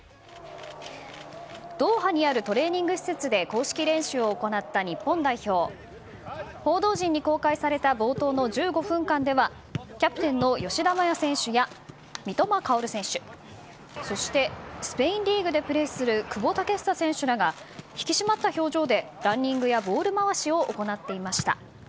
ドーハにあるトレーニング施設で公式練習を行った日本代表報道陣に公開された冒頭の１５分間ではキャプテンの吉田麻也選手や三笘薫選手そして、スペインリーグでプレーする久保建英選手らが引き締まった表情でランニングやボール回しを行っていました。